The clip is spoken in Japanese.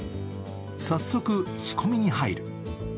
早速、仕込みに入る。